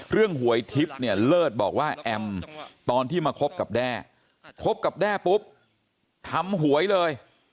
หวยทิพย์เนี่ยเลิศบอกว่าแอมตอนที่มาคบกับแด้คบกับแด้ปุ๊บทำหวยเลย